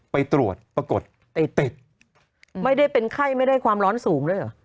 ไปตรวจปรากฏไอ้ติดไม่ได้เป็นไข้ไม่ได้ความร้อนสูงด้วยเหรอ